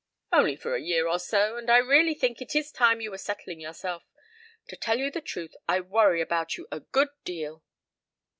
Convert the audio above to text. "Only for a year or so. And I really think it is time you were settling yourself. To tell you the truth I worry about you a good deal.